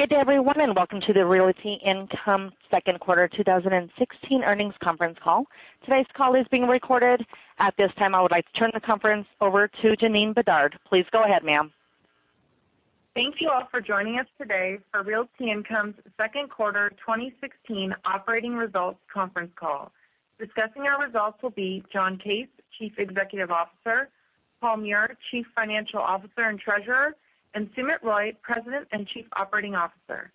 Good day, everyone, and welcome to the Realty Income second quarter 2016 earnings conference call. Today's call is being recorded. At this time, I would like to turn the conference over to Janeen Bedard. Please go ahead, ma'am. Thank you all for joining us today for Realty Income's second quarter 2016 operating results conference call. Discussing our results will be John Case, Chief Executive Officer; Paul Meurer, Chief Financial Officer and Treasurer; and Sumit Roy, President and Chief Operating Officer.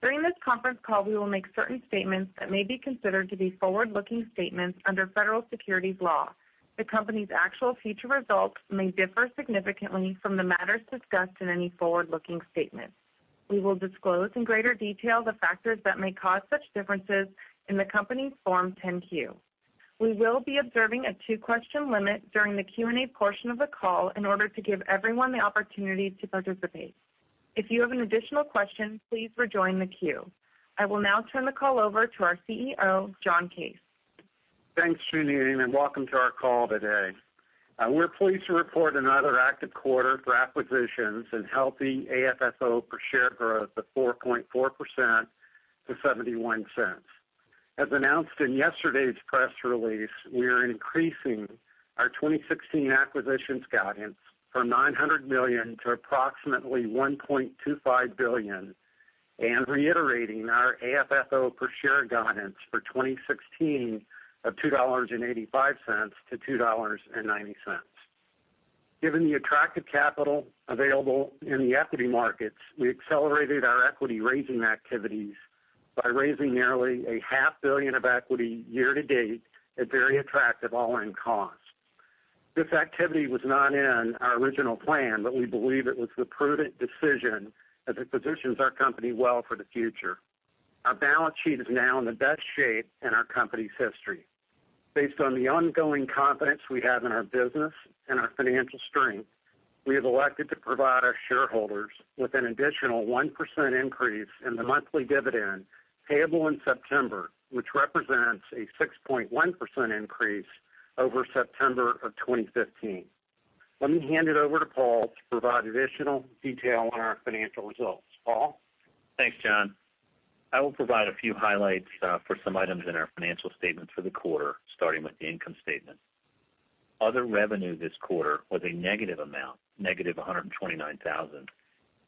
During this conference call, we will make certain statements that may be considered to be forward-looking statements under federal securities law. The company's actual future results may differ significantly from the matters discussed in any forward-looking statements. We will disclose in greater detail the factors that may cause such differences in the company's Form 10-Q. We will be observing a two-question limit during the Q&A portion of the call in order to give everyone the opportunity to participate. If you have an additional question, please rejoin the queue. I will now turn the call over to our CEO, John Case. Thanks, Janeen, and welcome to our call today. We're pleased to report another active quarter for acquisitions and healthy AFFO per share growth of 4.4% to $0.71. As announced in yesterday's press release, we are increasing our 2016 acquisitions guidance from $900 million to approximately $1.25 billion and reiterating our AFFO per share guidance for 2016 of $2.85 to $2.90. Given the attractive capital available in the equity markets, we accelerated our equity-raising activities by raising nearly a half-billion of equity year-to-date at very attractive all-in costs. This activity was not in our original plan, but we believe it was the prudent decision as it positions our company well for the future. Our balance sheet is now in the best shape in our company's history. Based on the ongoing confidence we have in our business and our financial strength, we have elected to provide our shareholders with an additional 1% increase in the monthly dividend payable in September, which represents a 6.1% increase over September of 2015. Let me hand it over to Paul to provide additional detail on our financial results. Paul? Thanks, John. I will provide a few highlights for some items in our financial statements for the quarter, starting with the income statement. Other revenue this quarter was a negative amount, -$129,000.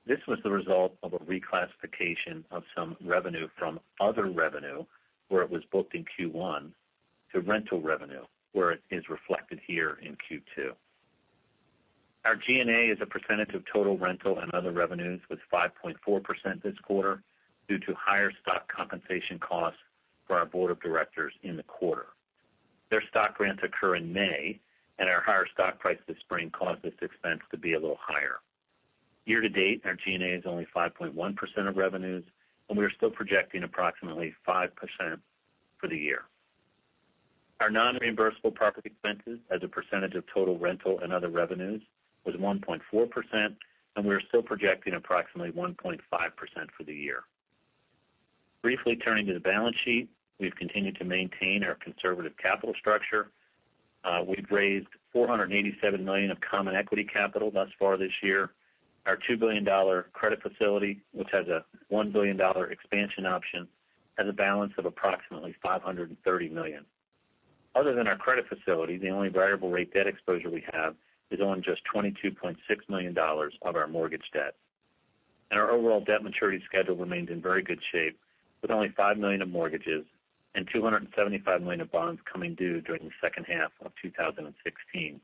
This was the result of a reclassification of some revenue from other revenue, where it was booked in Q1, to rental revenue, where it is reflected here in Q2. Our G&A as a percentage of total rental and other revenues was 5.4% this quarter due to higher stock compensation costs for our board of directors in the quarter. Our higher stock price this spring caused this expense to be a little higher. Year-to-date, our G&A is only 5.1% of revenues, and we are still projecting approximately 5% for the year. Our non-reimbursable property expenses as a percentage of total rental and other revenues was 1.4%, and we are still projecting approximately 1.5% for the year. Briefly turning to the balance sheet, we've continued to maintain our conservative capital structure. We've raised $487 million of common equity capital thus far this year. Our $2 billion credit facility, which has a $1 billion expansion option, has a balance of approximately $530 million. Other than our credit facility, the only variable rate debt exposure we have is on just $22.6 million of our mortgage debt. Our overall debt maturity schedule remains in very good shape, with only $5 million of mortgages and $275 million of bonds coming due during the second half of 2016.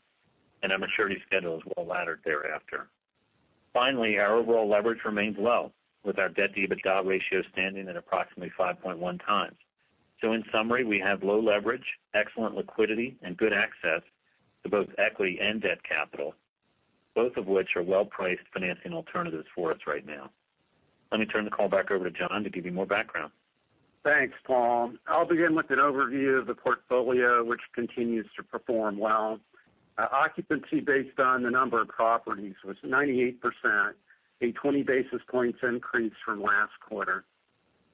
Our maturity schedule is well-laddered thereafter. Finally, our overall leverage remains low, with our debt-to-EBITDA ratio standing at approximately 5.1 times. In summary, we have low leverage, excellent liquidity, and good access to both equity and debt capital, both of which are well-priced financing alternatives for us right now. Let me turn the call back over to John to give you more background. Thanks, Paul. I'll begin with an overview of the portfolio, which continues to perform well. Our occupancy based on the number of properties was 98%, a 20 basis points increase from last quarter.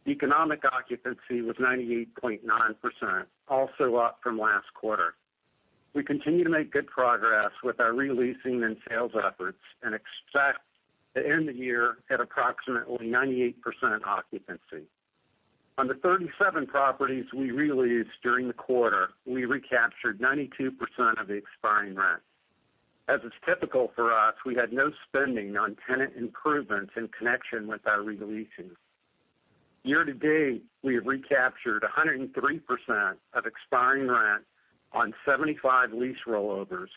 Economic occupancy was 98.9%, also up from last quarter. We continue to make good progress with our re-leasing and sales efforts and expect to end the year at approximately 98% occupancy. On the 37 properties we re-leased during the quarter, we recaptured 92% of the expiring rent. As is typical for us, we had no spending on tenant improvements in connection with our re-leasing. Year-to-date, we have recaptured 103% of expiring rent on 75 lease rollovers,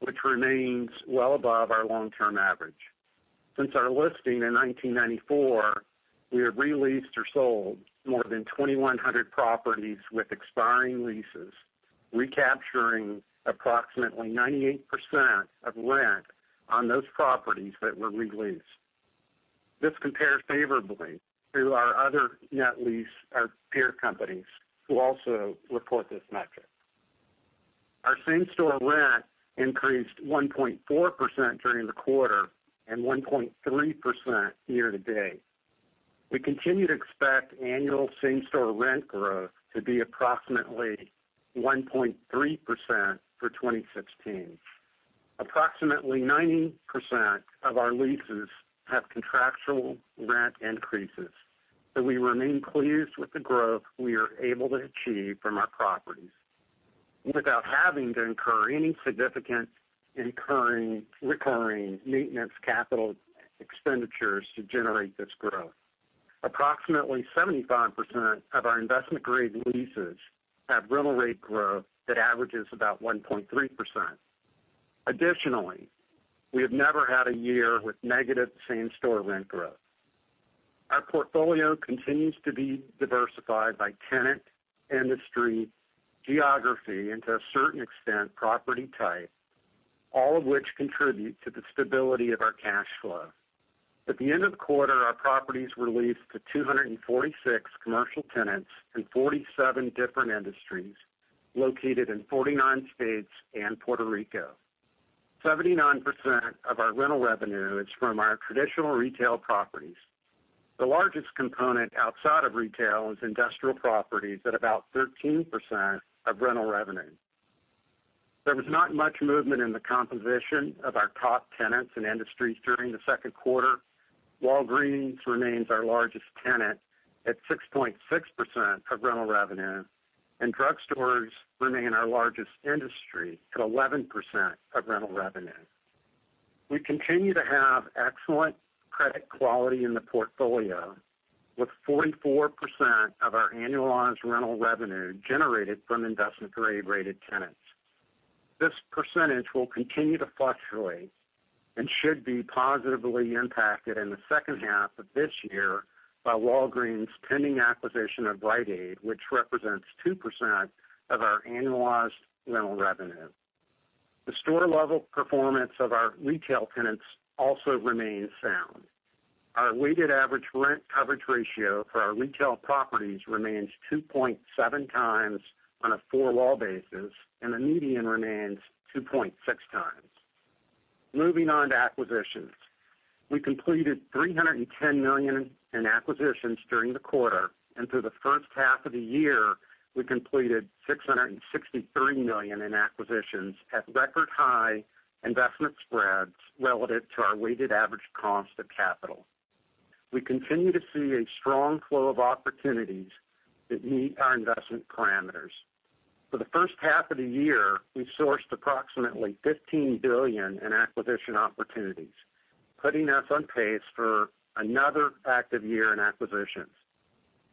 which remains well above our long-term average. Since our listing in 1994, we have re-leased or sold more than 2,100 properties with expiring leases, recapturing approximately 98% of rent on those properties that were re-leased. This compares favorably to our other net lease, our peer companies, who also report this metric. Our same-store rent increased 1.4% during the quarter and 1.3% year-to-date. We continue to expect annual same-store rent growth to be approximately 1.3% for 2016. Approximately 90% of our leases have contractual rent increases. We remain pleased with the growth we are able to achieve from our properties without having to incur any significant recurring maintenance capital expenditures to generate this growth. Approximately 75% of our investment-grade leases have rental rate growth that averages about 1.3%. Additionally, we have never had a year with negative same-store rent growth. Our portfolio continues to be diversified by tenant, industry, geography, and to a certain extent, property type, all of which contribute to the stability of our cash flow. At the end of the quarter, our properties were leased to 246 commercial tenants in 47 different industries, located in 49 states and Puerto Rico. 79% of our rental revenue is from our traditional retail properties. The largest component outside of retail is industrial properties at about 13% of rental revenue. There was not much movement in the composition of our top tenants and industries during the second quarter. Walgreens remains our largest tenant at 6.6% of rental revenue, and drugstores remain our largest industry at 11% of rental revenue. We continue to have excellent credit quality in the portfolio, with 44% of our annualized rental revenue generated from investment-grade rated tenants. This percentage will continue to fluctuate and should be positively impacted in the second half of this year by Walgreens' pending acquisition of Rite Aid, which represents 2% of our annualized rental revenue. The store-level performance of our retail tenants also remains sound. Our weighted average rent coverage ratio for our retail properties remains 2.7 times on a four-wall basis, and the median remains 2.6 times. Moving on to acquisitions. We completed $310 million in acquisitions during the quarter, and through the first half of the year, we completed $663 million in acquisitions at record high investment spreads relative to our weighted average cost of capital. We continue to see a strong flow of opportunities that meet our investment parameters. For the first half of the year, we sourced approximately $15 billion in acquisition opportunities, putting us on pace for another active year in acquisitions.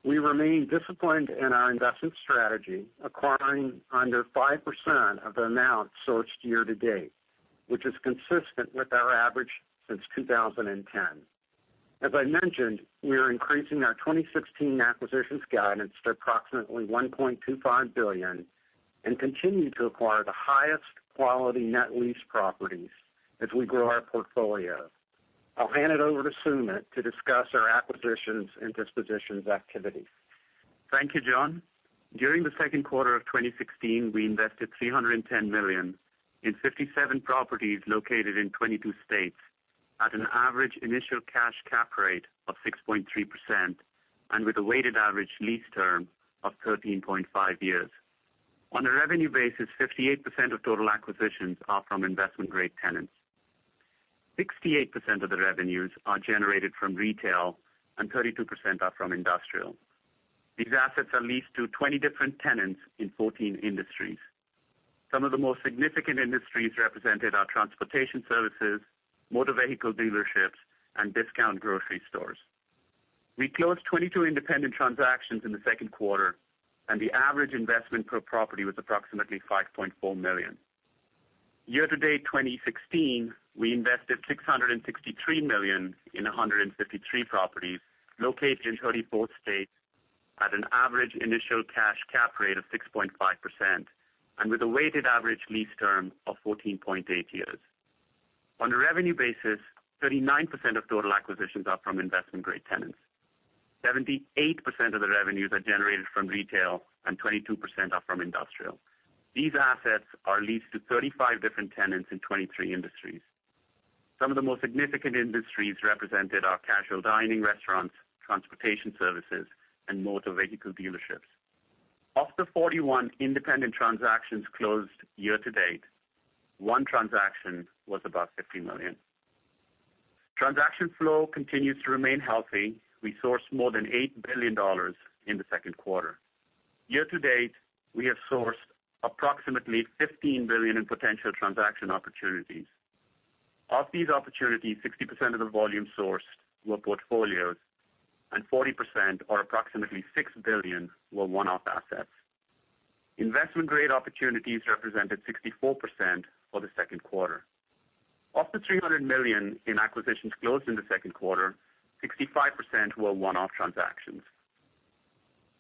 We remain disciplined in our investment strategy, acquiring under 5% of the amount sourced year-to-date, which is consistent with our average since 2010. As I mentioned, we are increasing our 2016 acquisitions guidance to approximately $1.25 billion and continue to acquire the highest quality net lease properties as we grow our portfolio. I'll hand it over to Sumit to discuss our acquisitions and dispositions activity. Thank you, John. During the second quarter of 2016, we invested $310 million in 57 properties located in 22 states at an average initial cash cap rate of 6.3%, and with a weighted average lease term of 13.5 years. On a revenue basis, 58% of total acquisitions are from investment-grade tenants. 68% of the revenues are generated from retail, and 32% are from industrial. These assets are leased to 20 different tenants in 14 industries. Some of the most significant industries represented are transportation services, motor vehicle dealerships, and discount grocery stores. We closed 22 independent transactions in the second quarter, and the average investment per property was approximately $5.4 million. Year to date 2016, we invested $663 million in 153 properties located in 34 states at an average initial cash cap rate of 6.5%, and with a weighted average lease term of 14.8 years. On a revenue basis, 39% of total acquisitions are from investment-grade tenants. 78% of the revenues are generated from retail, and 22% are from industrial. These assets are leased to 35 different tenants in 23 industries. Some of the most significant industries represented are casual dining restaurants, transportation services, and motor vehicle dealerships. Of the 41 independent transactions closed year to date, one transaction was above $50 million. Transaction flow continues to remain healthy. We sourced more than $8 billion in the second quarter. Year to date, we have sourced approximately $15 billion in potential transaction opportunities. Of these opportunities, 60% of the volume sourced were portfolios, and 40%, or approximately $6 billion, were one-off assets. Investment-grade opportunities represented 64% for the second quarter. Of the $310 million in acquisitions closed in the second quarter, 65% were one-off transactions.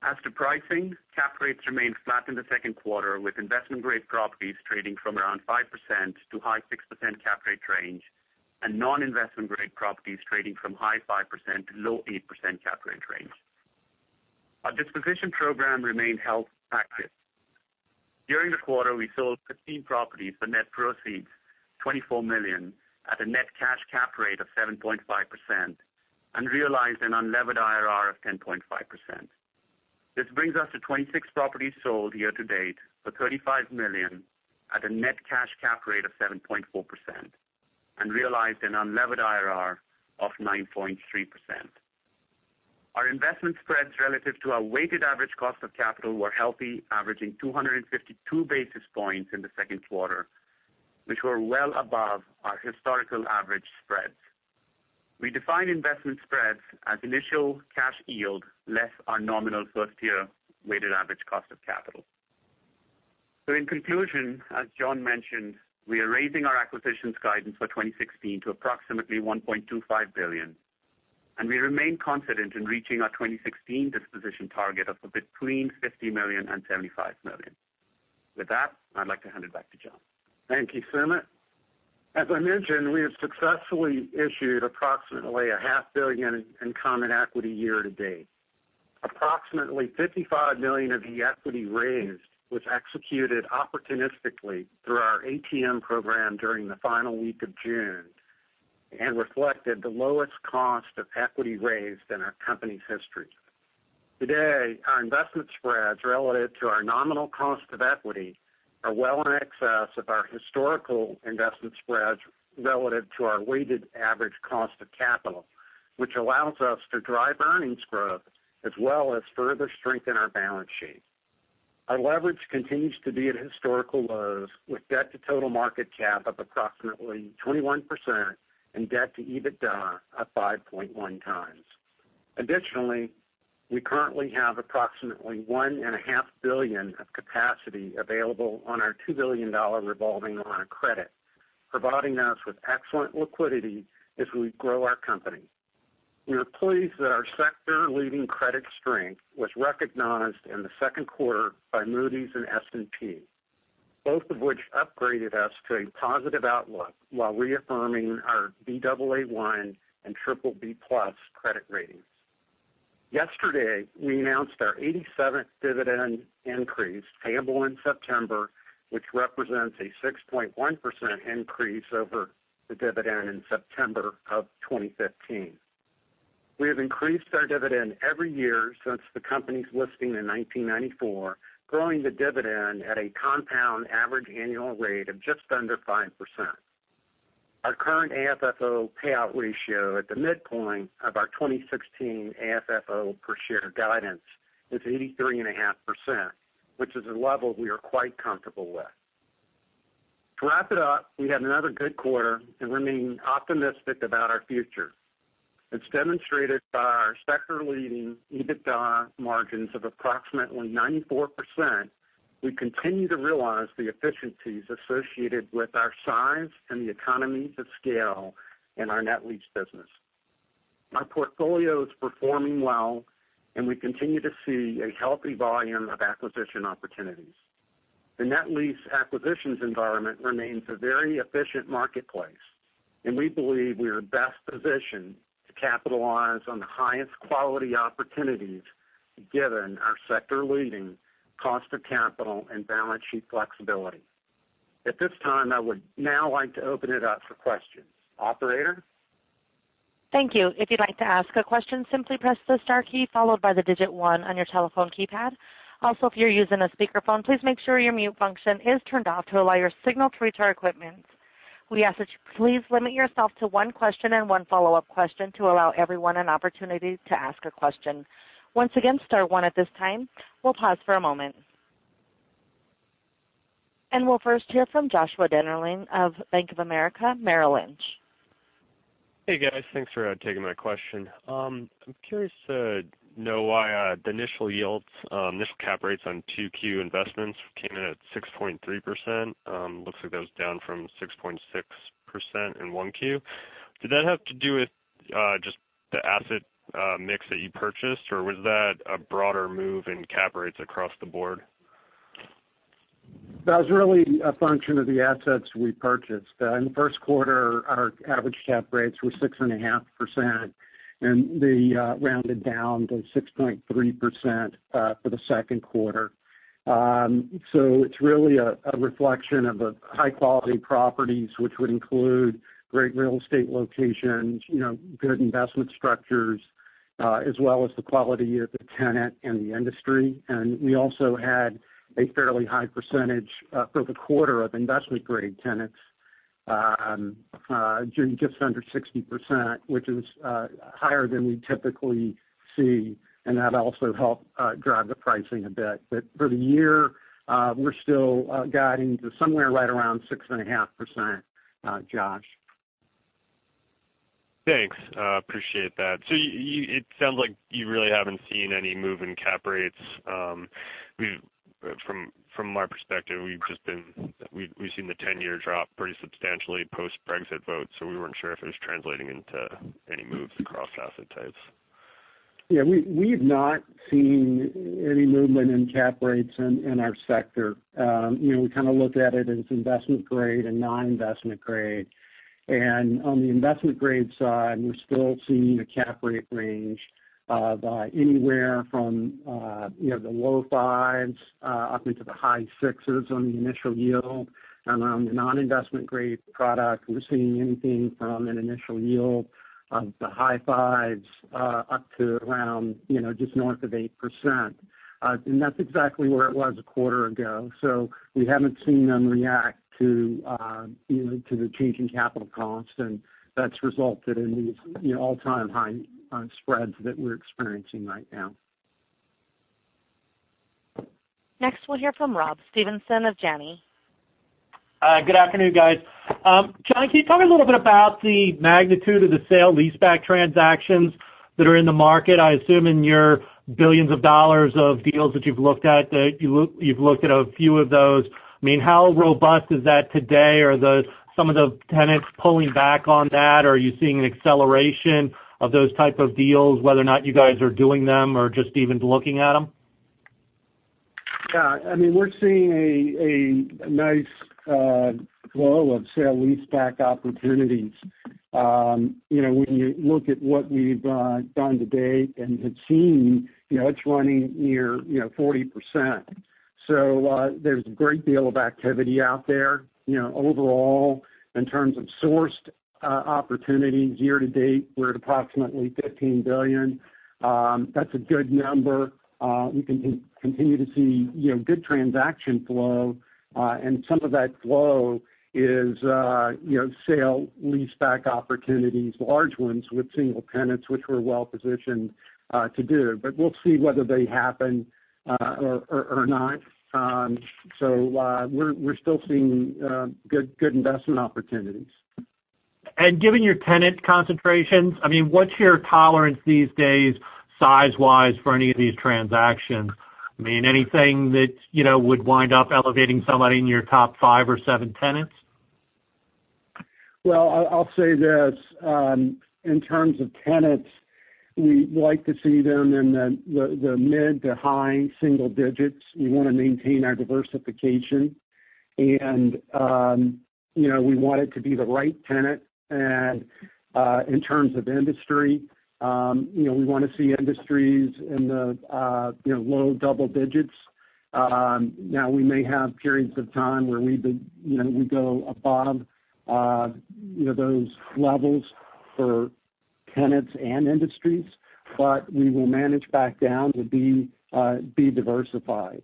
As to pricing, cap rates remained flat in the second quarter, with investment-grade properties trading from around 5% to high 6% cap rate range, and non-investment grade properties trading from high 5% to low 8% cap rate range. Our disposition program remained active. During the quarter, we sold 15 properties for net proceeds, $24 million, at a net cash cap rate of 7.5% and realized an unlevered IRR of 10.5%. This brings us to 26 properties sold year-to-date for $35 million at a net cash cap rate of 7.4%, and realized an unlevered IRR of 9.3%. Our investment spreads relative to our weighted average cost of capital were healthy, averaging 252 basis points in the second quarter, which were well above our historical average spreads. We define investment spreads as initial cash yield less our nominal first-year weighted average cost of capital. In conclusion, as John mentioned, we are raising our acquisitions guidance for 2016 to approximately $1.25 billion, and we remain confident in reaching our 2016 disposition target of between $50 million and $75 million. With that, I'd like to hand it back to John. Thank you, Sumit. As I mentioned, we have successfully issued approximately a half billion in common equity year-to-date. Approximately $55 million of the equity raised was executed opportunistically through our ATM program during the final week of June, and reflected the lowest cost of equity raised in our company's history. Today, our investment spreads relative to our nominal cost of equity are well in excess of our historical investment spreads relative to our weighted average cost of capital, which allows us to drive earnings growth as well as further strengthen our balance sheet. Our leverage continues to be at historical lows, with debt to total market cap up approximately 21% and debt to EBITDA at 5.1 times. Additionally, we currently have approximately one and a half billion of capacity available on our $2 billion revolving line of credit, providing us with excellent liquidity as we grow our company. We are pleased that our sector-leading credit strength was recognized in the second quarter by Moody's and S&P, both of which upgraded us to a positive outlook while reaffirming our Baa1 and BBB+ credit ratings. Yesterday, we announced our 87th dividend increase, payable in September, which represents a 6.1% increase over the dividend in September of 2015. We have increased our dividend every year since the company's listing in 1994, growing the dividend at a compound average annual rate of just under 5%. Our current AFFO payout ratio at the midpoint of our 2016 AFFO per share guidance is 83.5%, which is a level we are quite comfortable with. To wrap it up, we had another good quarter and remain optimistic about our future. As demonstrated by our sector-leading EBITDA margins of approximately 94%, we continue to realize the efficiencies associated with our size and the economies of scale in our net lease business. Our portfolio is performing well, and we continue to see a healthy volume of acquisition opportunities. The net lease acquisitions environment remains a very efficient marketplace, we believe we are best positioned to capitalize on the highest quality opportunities given our sector-leading cost of capital and balance sheet flexibility. At this time, I would now like to open it up for questions. Operator? Thank you. If you'd like to ask a question, simply press the star key followed by the digit one on your telephone keypad. Also, if you're using a speakerphone, please make sure your mute function is turned off to allow your signal to reach our equipment. We ask that you please limit yourself to one question and one follow-up question to allow everyone an opportunity to ask a question. Once again, star one at this time. We'll pause for a moment. We'll first hear from Joshua Dennerlein of Bank of America Merrill Lynch. Hey, guys. Thanks for taking my question. I'm curious to know why the initial yields, initial cap rates on 2Q investments came in at 6.3%. Looks like that was down from 6.6% in 1Q. Did that have to do with just the asset mix that you purchased, or was that a broader move in cap rates across the board? That was really a function of the assets we purchased. In the first quarter, our average cap rates were 6.5%, and they rounded down to 6.3% for the second quarter. It's really a reflection of the high-quality properties, which would include great real estate locations, good investment structures, as well as the quality of the tenant and the industry. We also had a fairly high percentage for the quarter of investment-grade tenants, just under 60%, which is higher than we typically see, and that also helped drive the pricing a bit. For the year, we're still guiding to somewhere right around 6.5%, Josh. Thanks. Appreciate that. It sounds like you really haven't seen any move in cap rates. From our perspective, we've seen the 10-year drop pretty substantially post-Brexit vote, we weren't sure if it was translating into any moves across asset types. We've not seen any movement in cap rates in our sector. We kind of look at it as investment-grade and non-investment-grade. On the investment-grade side, we're still seeing a cap rate range of anywhere from the low fives up into the high sixes on the initial yield. On the non-investment-grade product, we're seeing anything from an initial yield of the high fives up to around just north of 8%. That's exactly where it was a quarter ago. We haven't seen them react to the changing capital costs, and that's resulted in these all-time high spreads that we're experiencing right now. Next, we'll hear from Rob Stevenson of Janney. Good afternoon, guys. John, can you tell me a little bit about the magnitude of the sale-leaseback transactions that are in the market? I assume in your billions of dollars of deals that you've looked at, that you've looked at a few of those. How robust is that today? Are some of the tenants pulling back on that? Are you seeing an acceleration of those type of deals, whether or not you guys are doing them or just even looking at them? Yeah. We're seeing a nice flow of sale-leaseback opportunities. When you look at what we've done to date and the team, it's running near 40%. There's a great deal of activity out there. Overall, in terms of sourced opportunities year to date, we're at approximately $15 billion. That's a good number. We continue to see good transaction flow. Some of that flow is sale-leaseback opportunities, large ones with single tenants, which we're well-positioned to do. We'll see whether they happen or not. We're still seeing good investment opportunities. Given your tenant concentrations, what's your tolerance these days size-wise for any of these transactions? Anything that would wind up elevating somebody in your top five or seven tenants? I'll say this. In terms of tenants, we like to see them in the mid to high single digits. We want to maintain our diversification. We want it to be the right tenant. In terms of industry, we want to see industries in the low double digits. We may have periods of time where we go above those levels for tenants and industries, but we will manage back down to be diversified.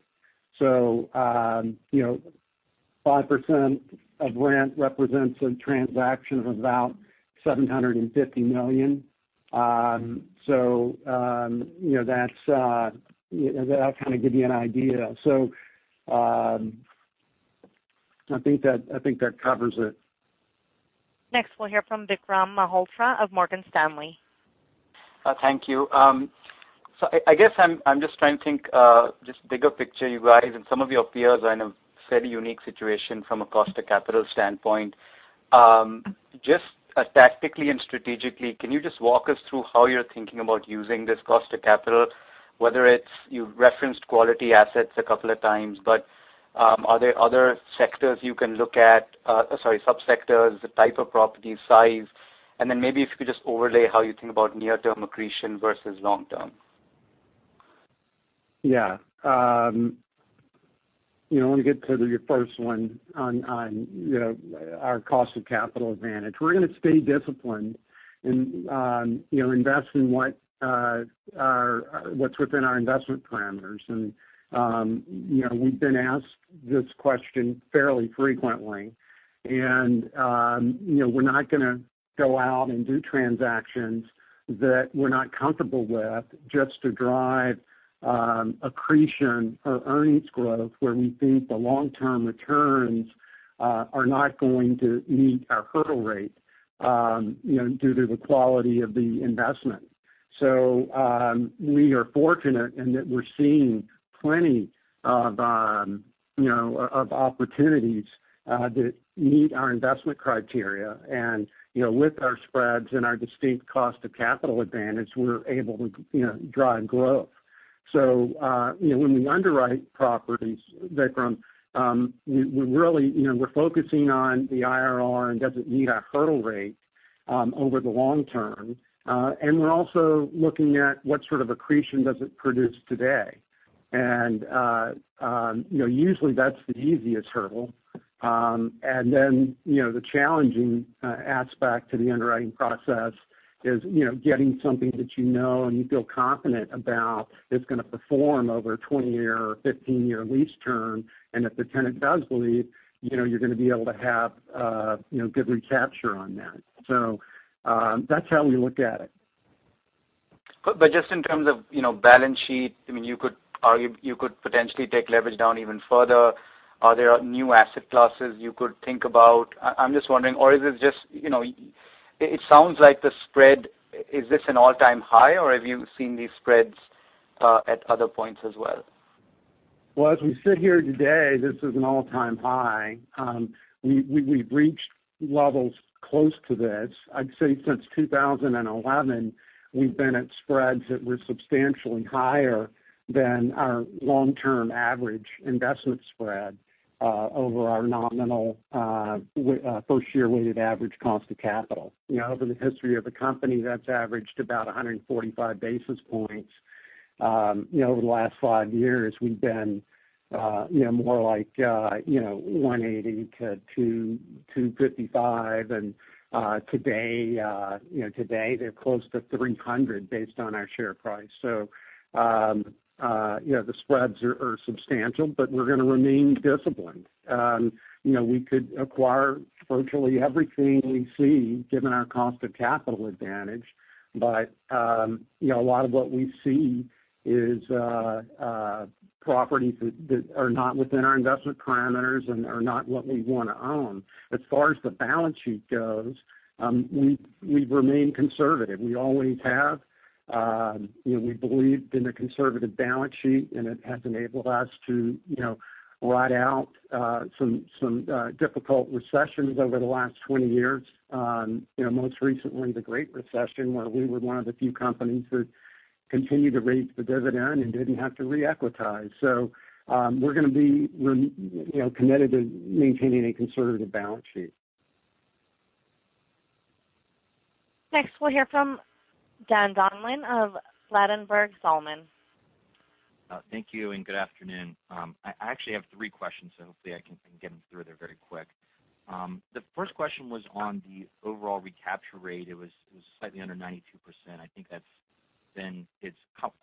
5% of rent represents a transaction of about $750 million. That'll kind of give you an idea. I think that covers it. Next, we'll hear from Vikram Malhotra of Morgan Stanley. Thank you. I guess I'm just trying to think just bigger picture, you guys, and some of your peers are in a fairly unique situation from a cost of capital standpoint. Just tactically and strategically, can you just walk us through how you're thinking about using this cost of capital, whether it's you've referenced quality assets a couple of times, but are there other sub-sectors, the type of property, size? Then maybe if you could just overlay how you think about near-term accretion versus long-term. Yeah. Let me get to your first one on our cost of capital advantage. We're going to stay disciplined and invest in what's within our investment parameters. We've been asked this question fairly frequently, and we're not going to go out and do transactions that we're not comfortable with just to drive accretion or earnings growth, where we think the long-term returns are not going to meet our hurdle rate due to the quality of the investment. We are fortunate in that we're seeing plenty of opportunities that meet our investment criteria. With our spreads and our distinct cost of capital advantage, we're able to drive growth. When we underwrite properties, Vikram, we're focusing on the IRR and does it meet our hurdle rate over the long term. We're also looking at what sort of accretion does it produce today. Usually, that's the easiest hurdle. Then the challenging aspect to the underwriting process is getting something that you know and you feel confident about that's going to perform over a 20-year or 15-year lease term. If the tenant does leave, you're going to be able to have good recapture on that. That's how we look at it. Just in terms of balance sheet, you could potentially take leverage down even further. Are there new asset classes you could think about? I'm just wondering. It sounds like the spread, is this an all-time high, or have you seen these spreads at other points as well? As we sit here today, this is an all-time high. We've reached levels close to this. I'd say since 2011, we've been at spreads that were substantially higher than our long-term average investment spread over our nominal first-year weighted average cost of capital. Over the history of the company, that's averaged about 145 basis points. Over the last five years, we've been more like 180 to 255. Today, they're close to 300 based on our share price. The spreads are substantial, we're going to remain disciplined. We could acquire virtually everything we see given our cost of capital advantage. A lot of what we see is properties that are not within our investment parameters and are not what we want to own. As far as the balance sheet goes, we've remained conservative. We always have believed in the conservative balance sheet, it has enabled us to ride out some difficult recessions over the last 20 years. Most recently, the Great Recession, where we were one of the few companies that continued to raise the dividend and didn't have to re-equitize. We're going to be committed to maintaining a conservative balance sheet. Next, we'll hear from Dan Donlan of Ladenburg Thalmann. Thank you, and good afternoon. I actually have three questions, so hopefully I can get them through there very quick. The first question was on the overall recapture rate. It was slightly under 92%. I think that's been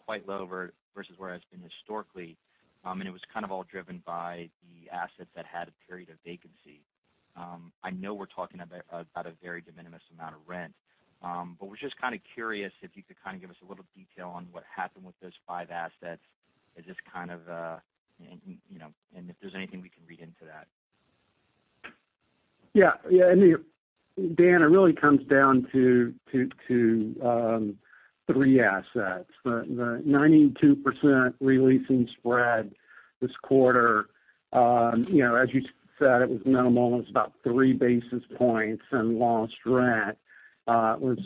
quite low versus where it's been historically. It was kind of all driven by the assets that had a period of vacancy. I know we're talking about a very de minimis amount of rent. Was just kind of curious if you could kind of give us a little detail on what happened with those five assets and if there's anything we can read into that. Yeah. Dan, it really comes down to three assets. The 92% re-leasing spread this quarter, as you said, it was minimal, it was about three basis points and lost rent. It was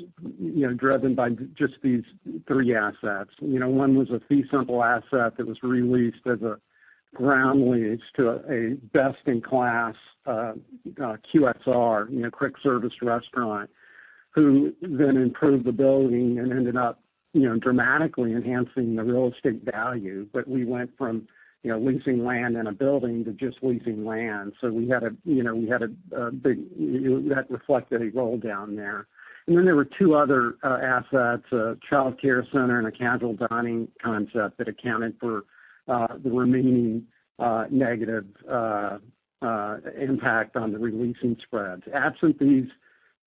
driven by just these three assets. One was a fee simple asset that was re-leased as a ground lease to a best-in-class QSR, quick service restaurant, who then improved the building and ended up dramatically enhancing the real estate value. We went from leasing land and a building to just leasing land. That reflected a roll-down there. There were two other assets, a childcare center and a casual dining concept that accounted for the remaining negative impact on the re-leasing spreads. Absent these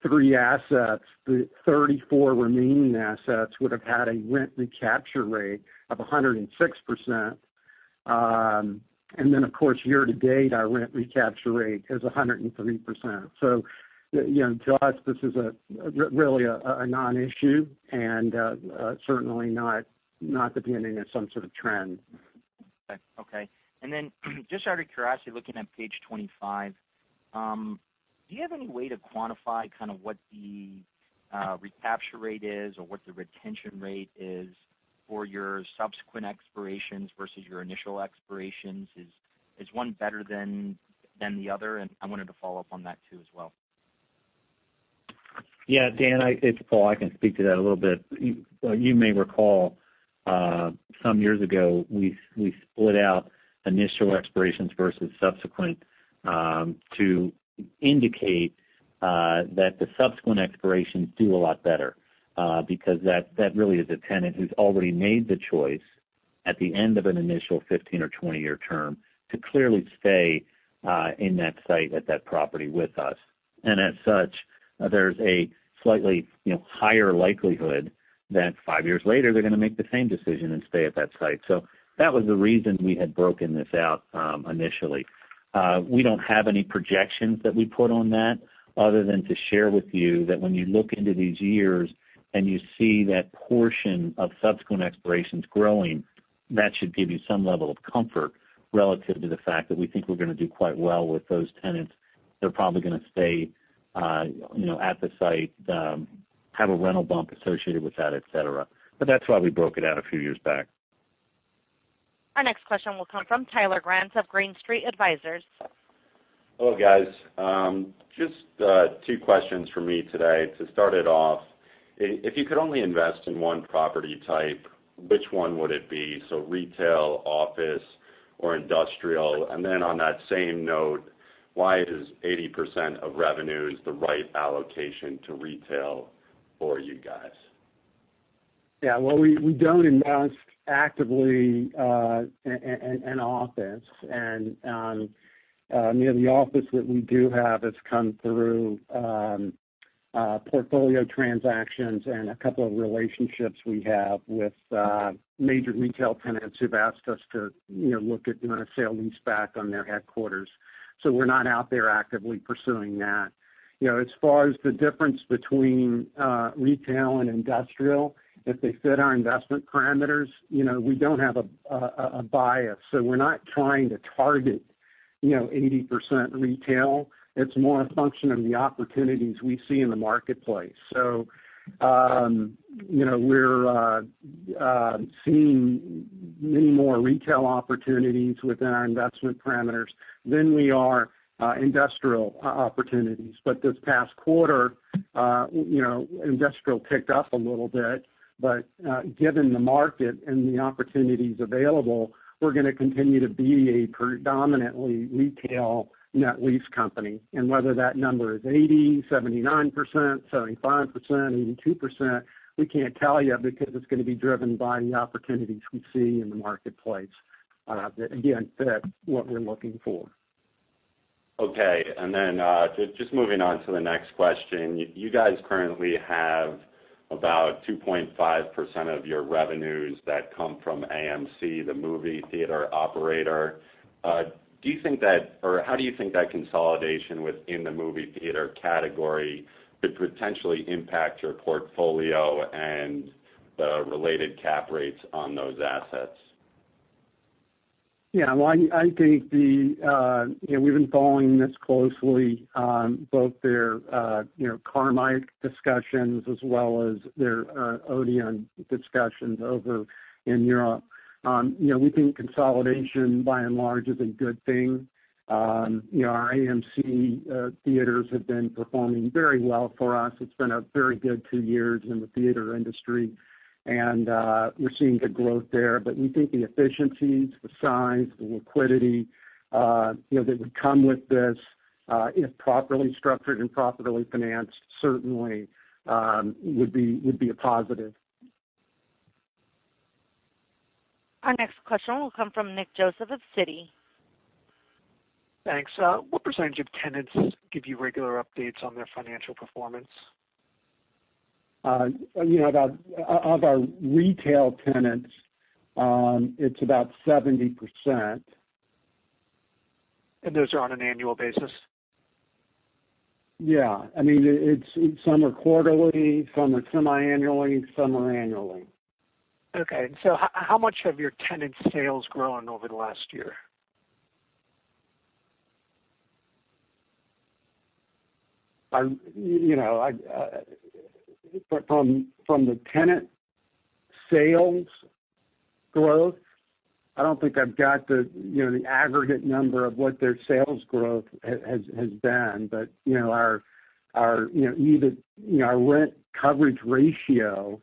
three assets, the 34 remaining assets would have had a rent recapture rate of 106%. Of course, year-to-date, our rent recapture rate is 103%. To us, this is really a non-issue and certainly not the beginning of some sort of trend. Okay. Then just out of curiosity, looking at page 25, do you have any way to quantify kind of what the recapture rate is or what the retention rate is for your subsequent expirations versus your initial expirations? Is one better than the other? I wanted to follow up on that too as well. Yeah, Dan, it's Paul. I can speak to that a little bit. You may recall, some years ago, we split out initial expirations versus subsequent to indicate that the subsequent expirations do a lot better. Because that really is a tenant who's already made the choice at the end of an initial 15 or 20-year term to clearly stay in that site at that property with us. As such, there's a slightly higher likelihood that five years later, they're going to make the same decision and stay at that site. That was the reason we had broken this out initially. We don't have any projections that we put on that other than to share with you that when you look into these years and you see that portion of subsequent expirations growing, that should give you some level of comfort relative to the fact that we think we're going to do quite well with those tenants. They're probably going to stay at the site, have a rental bump associated with that, et cetera. That's why we broke it out a few years back. Our next question will come from Tyler Grant of Green Street Advisors. Hello, guys. Just two questions from me today. To start it off, if you could only invest in one property type, which one would it be? Retail, office, or industrial? On that same note, why is 80% of revenues the right allocation to retail for you guys? Well, we don't invest actively in office. The office that we do have has come through portfolio transactions and a couple of relationships we have with major retail tenants who've asked us to look at doing a sale-leaseback on their headquarters. We're not out there actively pursuing that. As far as the difference between retail and industrial, if they fit our investment parameters, we don't have a bias. We're not trying to target 80% retail. It's more a function of the opportunities we see in the marketplace. We're seeing many more retail opportunities within our investment parameters than we are industrial opportunities. This past quarter, industrial ticked up a little bit. Given the market and the opportunities available, we're going to continue to be a predominantly retail net lease company. Whether that number is 80%, 79%, 75%, 82%, we can't tell you because it's going to be driven by the opportunities we see in the marketplace that, again, fit what we're looking for. Okay. Just moving on to the next question. You guys currently have about 2.5% of your revenues that come from AMC, the movie theater operator. How do you think that consolidation within the movie theater category could potentially impact your portfolio and the related cap rates on those assets? Yeah. We've been following this closely, both their Carmike discussions as well as their Odeon discussions over in Europe. We think consolidation by and large is a good thing. Our AMC theaters have been performing very well for us. It's been a very good two years in the theater industry, and we're seeing good growth there. We think the efficiencies, the signs, the liquidity that would come with this, if properly structured and properly financed, certainly would be a positive. Our next question will come from Nick Joseph of Citi. Thanks. What % of tenants give you regular updates on their financial performance? Of our retail tenants, it's about 70%. Those are on an annual basis? Yeah. Some are quarterly, some are semiannually, some are annually. Okay. How much have your tenant sales grown over the last year? From the tenant sales growth, I don't think I've got the aggregate number of what their sales growth has been. Our rent coverage ratio,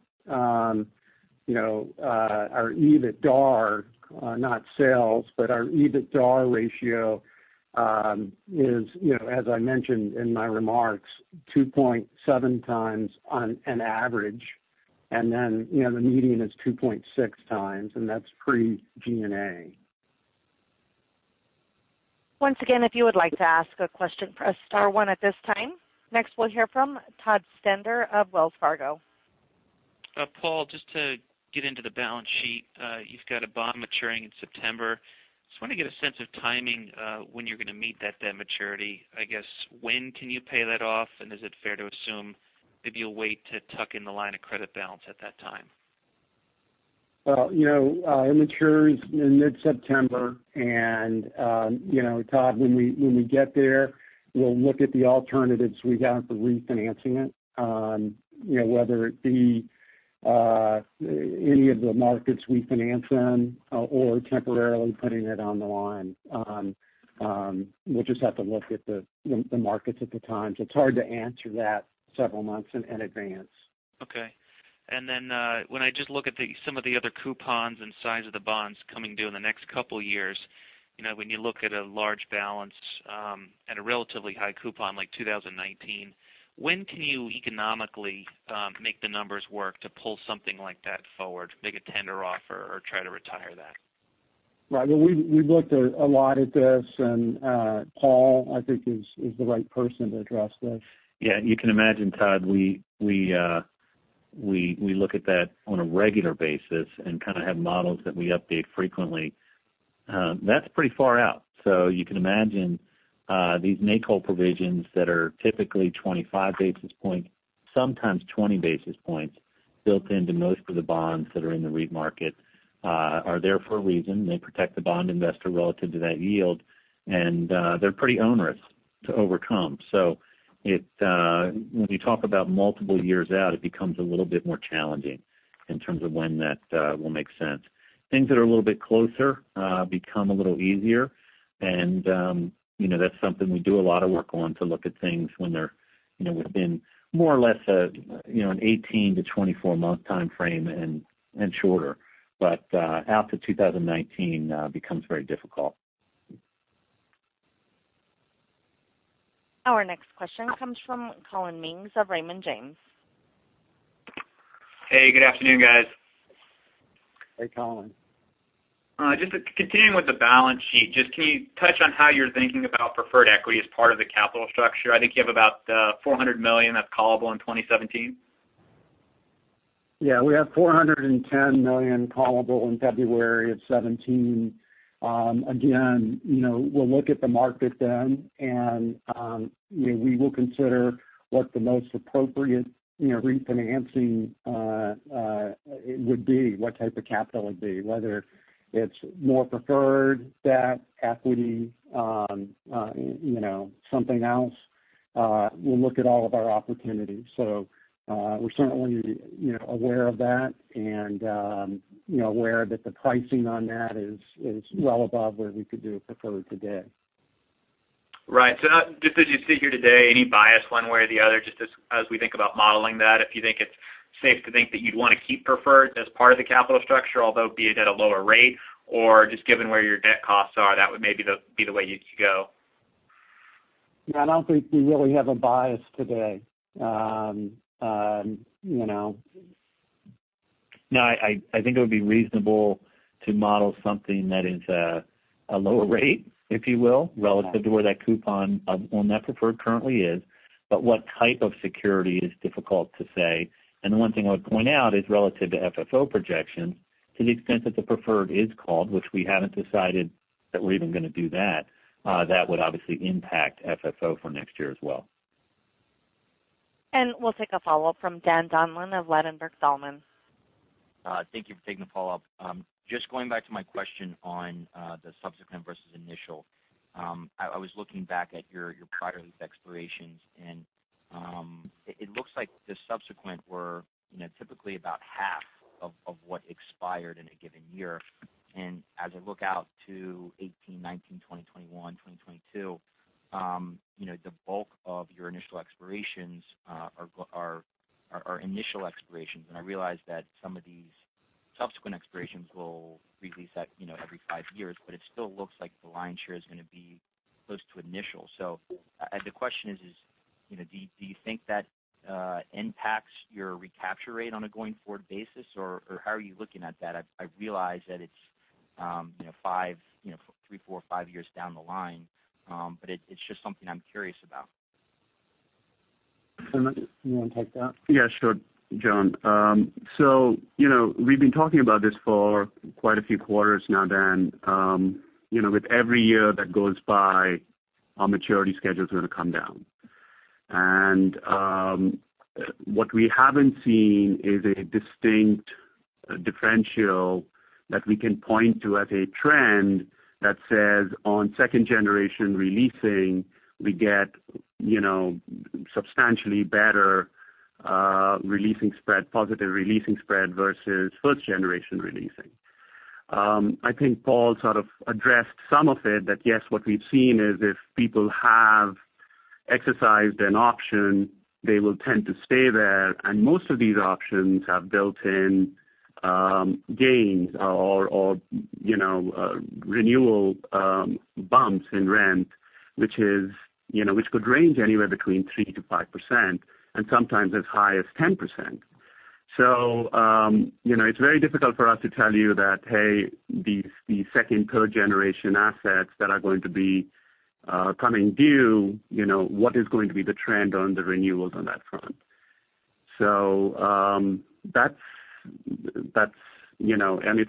our EBITDAR, not sales, our EBITDAR ratio is, as I mentioned in my remarks, 2.7 times on an average. The median is 2.6 times, and that's pre-G&A. Once again, if you would like to ask a question, press star one at this time. Next, we'll hear from Todd Stender of Wells Fargo. Paul, just to get into the balance sheet. You've got a bond maturing in September. Just want to get a sense of timing when you're going to meet that debt maturity. I guess, when can you pay that off? Is it fair to assume maybe you'll wait to tuck in the line of credit balance at that time? Well, it matures in mid-September. Todd, when we get there, we'll look at the alternatives we have for refinancing it. Whether it be any of the markets we finance in or temporarily putting it on the line. We'll just have to look at the markets at the time. It's hard to answer that several months in advance. Okay. When I just look at some of the other coupons and size of the bonds coming due in the next couple of years, when you look at a large balance at a relatively high coupon like 2019, when can you economically make the numbers work to pull something like that forward, make a tender offer or try to retire that? Right. We've looked a lot at this, and Paul, I think, is the right person to address this. Yeah. You can imagine, Todd, we look at that on a regular basis and kind of have models that we update frequently. That's pretty far out. You can imagine these make-whole provisions that are typically 25 basis points, sometimes 20 basis points, built into most of the bonds that are in the REIT market are there for a reason. They protect the bond investor relative to that yield, and they're pretty onerous to overcome. When you talk about multiple years out, it becomes a little bit more challenging in terms of when that will make sense. Things that are a little bit closer become a little easier, and that's something we do a lot of work on to look at things when they're within more or less an 18 to 24-month time frame and shorter. Out to 2019 becomes very difficult. Our next question comes from Collin Mings of Raymond James. Hey, good afternoon, guys. Hey, Collin. Just continuing with the balance sheet, can you touch on how you're thinking about preferred equity as part of the capital structure? I think you have about $400 million that's callable in 2017. Yeah, we have $410 million callable in February of 2017. We'll look at the market then, we will consider what the most appropriate refinancing would be, what type of capital it would be, whether it's more preferred, debt, equity, something else. We'll look at all of our opportunities. We're certainly aware of that and aware that the pricing on that is well above where we could do preferred today. Right. Just as you sit here today, any bias one way or the other, just as we think about modeling that, if you think it's safe to think that you'd want to keep preferred as part of the capital structure, although be it at a lower rate, or just given where your debt costs are, that would maybe be the way you could go. Yeah, I don't think we really have a bias today. No, I think it would be reasonable to model something that is a lower rate, if you will, relative to where that coupon on that preferred currently is. What type of security is difficult to say. The one thing I would point out is relative to FFO projections, to the extent that the preferred is called, which we haven't decided that we're even going to do that would obviously impact FFO for next year as well. We'll take a follow-up from Dan Donlan of Ladenburg Thalmann. Thank you for taking the follow-up. Just going back to my question on the subsequent versus initial. I was looking back at your prior lease expirations, and it looks like the subsequent were typically about half of what expired in a given year. As I look out to 2018, 2019, 2021, 2022, the bulk of your initial expirations are initial expirations. I realize that some of these subsequent expirations will re-lease every five years, but it still looks like the lion's share is going to be close to initial. The question is: Do you think that impacts your recapture rate on a going-forward basis, or how are you looking at that? I realize that it's three, four, five years down the line. It's just something I'm curious about. Sumit, you want to take that? Yeah, sure. John. We've been talking about this for quite a few quarters now, Dan. With every year that goes by, our maturity schedule's going to come down. What we haven't seen is a distinct differential that we can point to as a trend that says on 2nd generation releasing, we get substantially better releasing spread, positive releasing spread versus 1st generation releasing. I think Paul sort of addressed some of it, that yes, what we've seen is if people have exercised an option, they will tend to stay there, and most of these options have built-in gains or renewal bumps in rent, which could range anywhere between 3% to 5%, and sometimes as high as 10%. It's very difficult for us to tell you that, hey, these 2nd, 3rd generation assets that are going to be coming due, what is going to be the trend on the renewals on that front. It's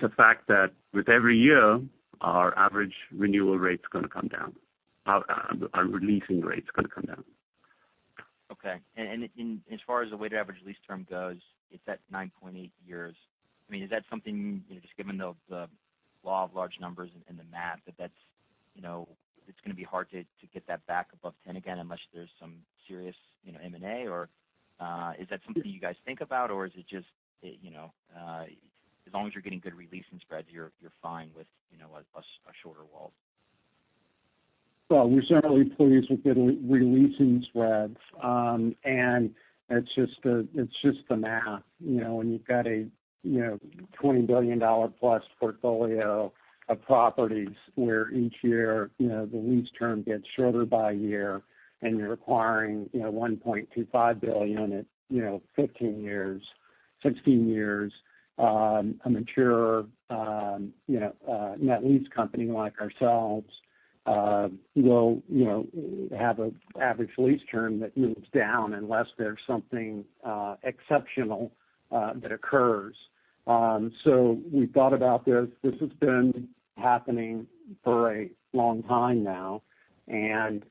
a fact that with every year, our average renewal rate's going to come down. Our releasing rate's going to come down. Okay. As far as the weighted average lease term goes, if that's 9.8 years, is that something, just given the law of large numbers and the math, that it's going to be hard to get that back above 10 again unless there's some serious M&A? Or is that something you guys think about, or is it just as long as you're getting good releasing spreads, you're fine with a shorter WALT? We're certainly pleased with good releasing spreads. It's just the math. When you've got a $20 billion-plus portfolio of properties where each year the lease term gets shorter by a year and you're acquiring $1.25 billion at 15 years, 16 years, a mature net lease company like ourselves will have an average lease term that moves down unless there's something exceptional that occurs. We've thought about this. This has been happening for a long time now, and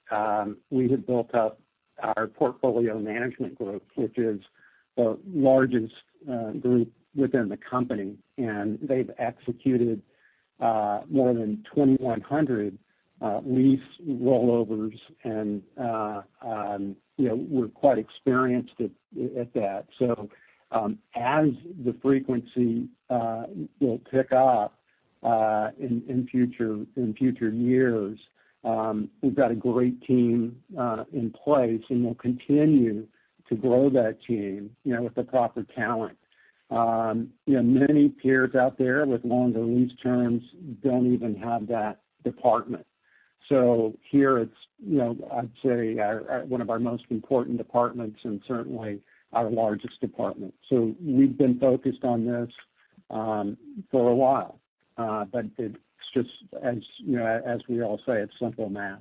we have built up our portfolio management group, which is the largest group within the company, and they've executed more than 2,100 lease rollovers, and we're quite experienced at that. As the frequency will pick up in future years, we've got a great team in place, and we'll continue to grow that team with the proper talent. Many peers out there with longer lease terms don't even have that department. Here it's, I'd say, one of our most important departments and certainly our largest department. We've been focused on this for a while. It's just as we all say, it's simple math.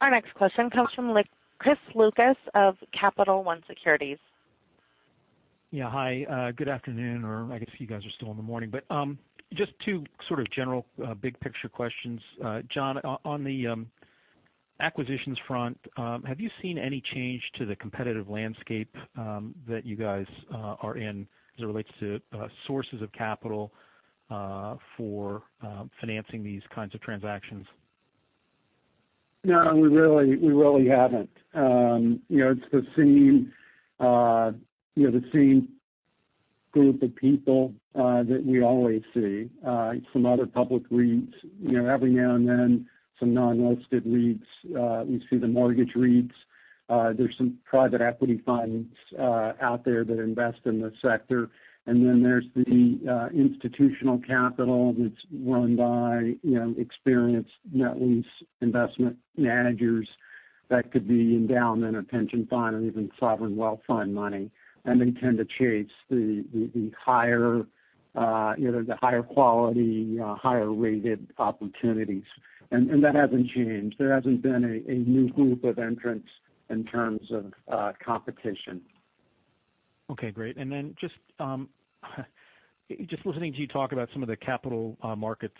Our next question comes from Chris Lucas of Capital One Securities. Yeah. Hi, good afternoon, or I guess you guys are still in the morning, but just two sort of general big picture questions. John, on the acquisitions front, have you seen any change to the competitive landscape that you guys are in as it relates to sources of capital for financing these kinds of transactions? No, we really haven't. It's the same group of people that we always see. Some other public REITs. Every now and then, some non-listed REITs. We see the mortgage REITs. There's some private equity funds out there that invest in the sector. There's the institutional capital that's run by experienced net lease investment managers that could be endowment or pension fund or even sovereign wealth fund money. They tend to chase the higher quality, higher rated opportunities. That hasn't changed. There hasn't been a new group of entrants in terms of competition. Okay, great. Just listening to you talk about some of the capital markets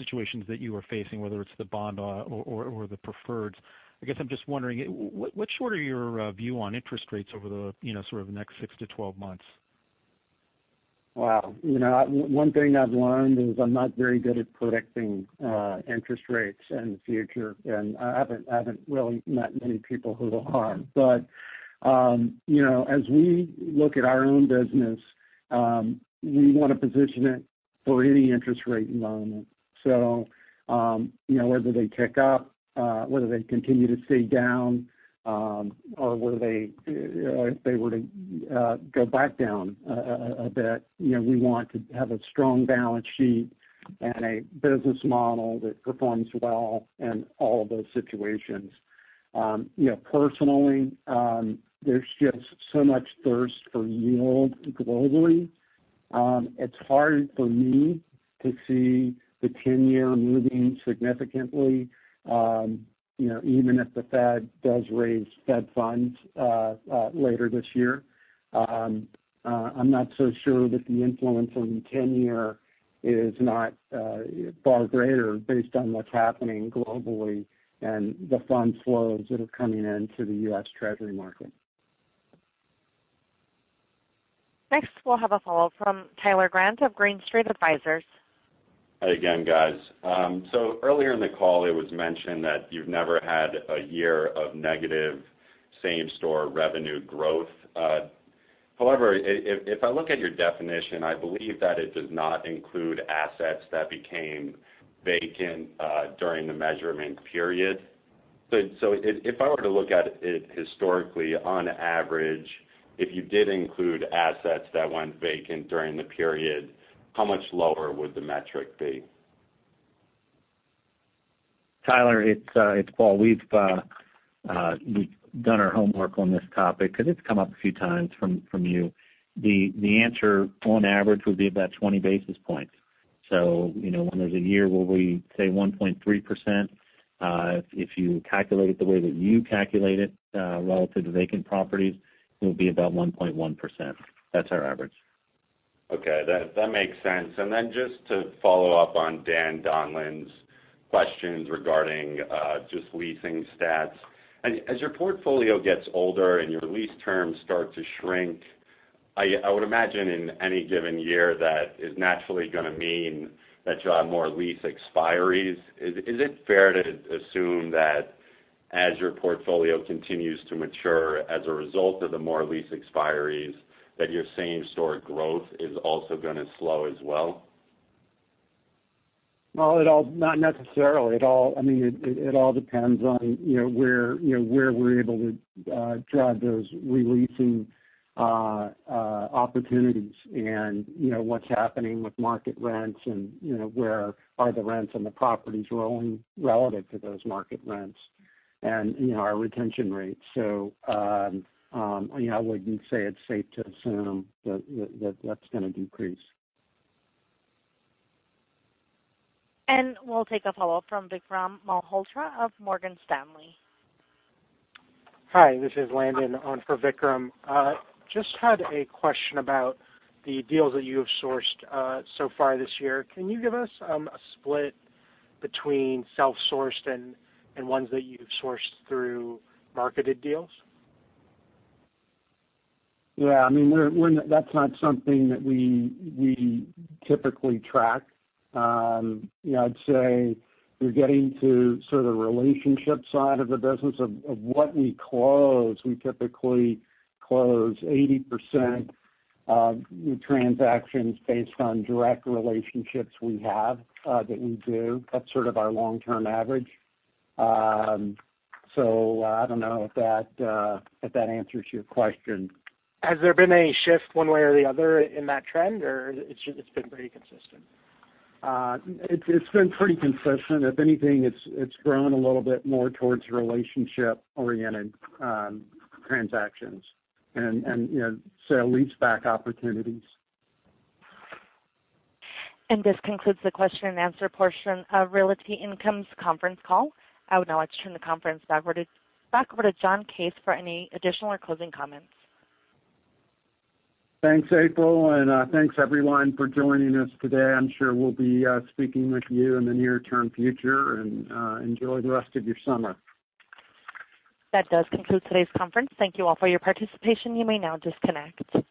situations that you are facing, whether it's the bond or the preferreds, I guess I'm just wondering, what's your view on interest rates over the next 6 to 12 months? Wow. One thing I've learned is I'm not very good at predicting interest rates and the future, and I haven't really met many people who are. As we look at our own business, we want to position it for any interest rate environment. Whether they tick up, whether they continue to stay down, or if they were to go back down a bit, we want to have a strong balance sheet and a business model that performs well in all of those situations. Personally, there's just so much thirst for yield globally. It's hard for me to see the 10-year moving significantly, even if the Fed does raise Fed funds later this year. I'm not so sure that the influence on the 10-year is not far greater based on what's happening globally and the fund flows that are coming into the U.S. Treasury market. Next, we'll have a follow-up from Tyler Grant of Green Street Advisors. Hi again, guys. Earlier in the call, it was mentioned that you've never had a year of negative same-store revenue growth. However, if I look at your definition, I believe that it does not include assets that became vacant during the measurement period. If I were to look at it historically, on average, if you did include assets that went vacant during the period, how much lower would the metric be? Tyler, it's Paul. We've done our homework on this topic because it's come up a few times from you. The answer, on average, would be about 20 basis points. When there's a year where we say 1.3%, if you calculate it the way that you calculate it relative to vacant properties, it would be about 1.1%. That's our average. Okay. That makes sense. Just to follow up on Dan Donlan's questions regarding just leasing stats. As your portfolio gets older and your lease terms start to shrink, I would imagine in any given year that is naturally going to mean that you'll have more lease expiries. Is it fair to assume that as your portfolio continues to mature as a result of the more lease expiries, that your same-store growth is also going to slow as well? Well, not necessarily. It all depends on where we're able to drive those re-leasing opportunities and what's happening with market rents and where are the rents on the properties we're owning relative to those market rents and our retention rates. I wouldn't say it's safe to assume that that's going to decrease. We'll take a follow-up from Vikram Malhotra of Morgan Stanley. Hi, this is Landon on for Vikram. Just had a question about the deals that you have sourced so far this year. Can you give us a split between self-sourced and ones that you've sourced through marketed deals? That's not something that we typically track. I'd say you're getting to sort of relationship side of the business. Of what we close, we typically close 80% of transactions based on direct relationships we have that we do. That's sort of our long-term average. I don't know if that answers your question. Has there been any shift one way or the other in that trend, or it's been pretty consistent? It's been pretty consistent. If anything, it's grown a little bit more towards relationship-oriented transactions and sale-leaseback opportunities. This concludes the question and answer portion of Realty Income's conference call. I would now like to turn the conference back over to John Case for any additional or closing comments. Thanks, April, and thanks everyone for joining us today. I'm sure we'll be speaking with you in the near-term future, and enjoy the rest of your summer. That does conclude today's conference. Thank you all for your participation. You may now disconnect.